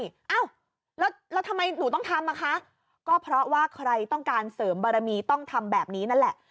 อ้าวแล้วทำไมหนูต้องทำอ่ะคะก็เพราะว่าใครต้องการเสริมบารมีต้องทำแบบนี้นั่นแหละ